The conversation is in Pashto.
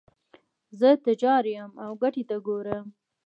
زه تجار یم او ګټې ته ګورم.